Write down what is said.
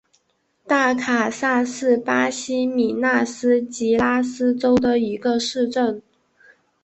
大卡萨是巴西米纳斯吉拉斯州的一个市镇。